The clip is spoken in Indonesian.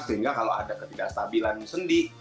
sehingga kalau ada ketidakstabilan sendi